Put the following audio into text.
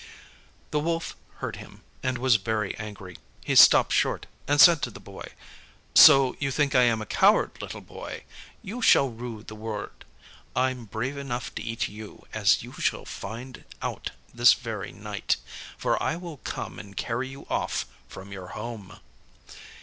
The Wolf heard him, and was very angry. He stopped short, and said to the Boy "So you think I am a coward, little Boy? You shall rue the word. I'm brave enough to eat you, as you shall find out this very night; for I will come and carry you off from your home."